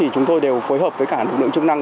chúng tôi đều phối hợp với cả nữ chức năng